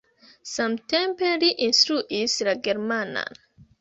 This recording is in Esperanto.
Samtempe li instruis la germanan.